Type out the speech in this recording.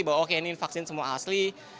bahwa oke ini vaksin semua asli